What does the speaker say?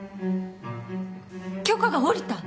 許可が下りた！？